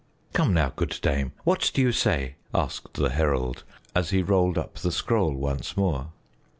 "Come now, good dame, what do you say?" asked the herald, as he rolled up the scroll once more.